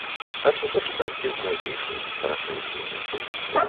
Хачу пашукаць дзе маладзейшую, харашэйшую.